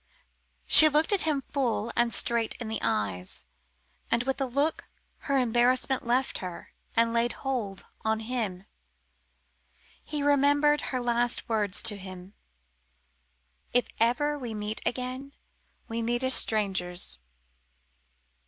She looked at him full and straight in the eyes, and with the look her embarrassment left her and laid hold on him. He remembered her last words to him "If ever we meet again, we meet as strangers."